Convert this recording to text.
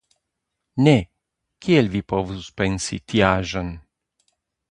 Ne, kiel vi povus pensi tiaĵon!